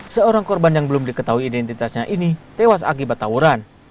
seorang korban yang belum diketahui identitasnya ini tewas akibat tawuran